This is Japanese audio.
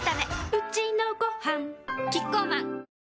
うちのごはんキッコーマン